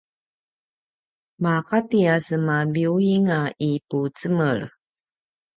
maqati a sema biyuing a ipucemel